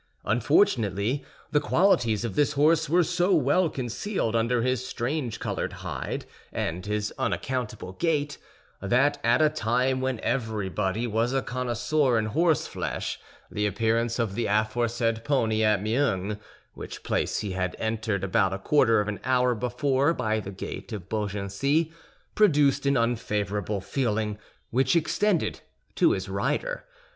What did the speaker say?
Unfortunately, the qualities of this horse were so well concealed under his strange colored hide and his unaccountable gait, that at a time when everybody was a connoisseur in horseflesh, the appearance of the aforesaid pony at Meung—which place he had entered about a quarter of an hour before, by the gate of Beaugency—produced an unfavorable feeling, which extended to his rider.